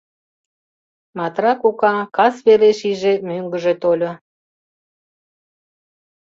Матра кока кас велеш иже мӧҥгыжӧ тольо.